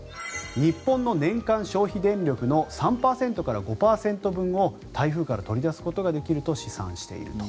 日本の年間消費電力の３％から５％分を台風から取り出すことができると試算していると。